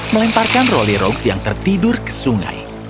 melemparkan rolly rogues yang tertidur ke sungai